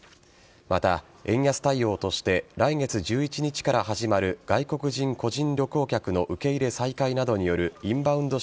また、円安対応として来月１１日から始まる外国人個人旅行客の受け入れ再開などによるインバウンド